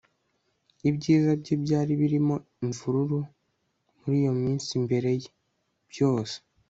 ibyiza bye byari birimo imvururu muri iyo minsi imbere ye. byose